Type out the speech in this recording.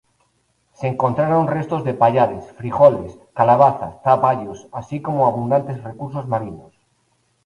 Se encontraron restos de pallares, frijoles, calabazas, zapallos, así como abundantes recursos marinos.